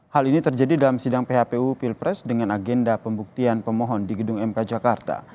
hal ini terjadi dalam sidang phpu pilpres dengan agenda pembuktian pemohon di gedung mk jakarta